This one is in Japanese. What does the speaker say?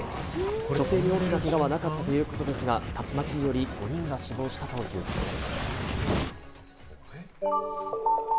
女性に大きなけがはなかったということですが、竜巻により５人が死亡したということです。